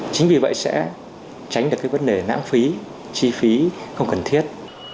chính vì vậy sẽ tránh được cái vấn đề nãng phí chi phí không cần thiết